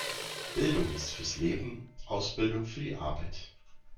Bildung ist fürs Leben, Ausbildung für die Arbeit.